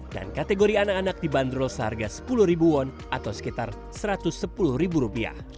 dan kategori anak anak dibanderol seharga sepuluh won atau sekitar satu ratus sepuluh rupiah